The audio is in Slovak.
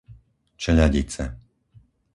Čeľadice